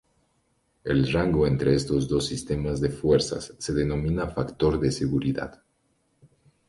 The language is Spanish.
El rango entre estos dos sistemas de fuerzas se denomina factor de seguridad.